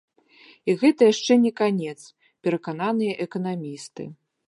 І гэта яшчэ не канец, перакананыя эканамісты.